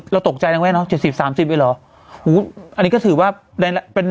เราตกใจนะแว๊ะเนอะ๗๐๓๐อีกเหรออืมอันนี้ก็ถือว่าน่ะเป็น